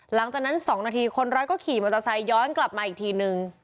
หลังจากนั้น๒นาทีคนร้ายก็ขี่มอเตอร์ไซคย้อนกลับมาอีกทีนึง